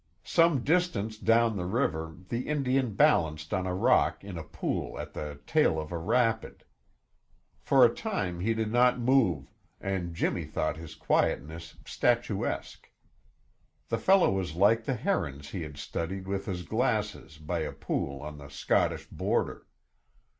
Some distance down the river, the Indian balanced on a rock in a pool at the tail of a rapid. For a time he did not move and Jimmy thought his quietness statuesque. The fellow was like the herons he had studied with his glasses by a pool on the Scottish border.